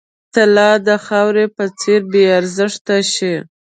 طلا د خاورې په څېر بې ارزښته شي.